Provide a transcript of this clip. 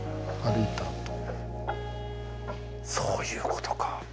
そういうことか。